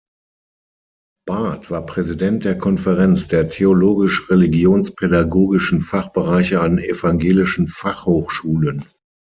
Barth war Präsident der Konferenz der theologisch-religionspädagogischen Fachbereiche an Evangelischen Fachhochschulen.